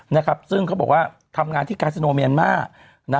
นะครับซึ่งเขาบอกว่าทำงานที่กาซิโนเมียนมาร์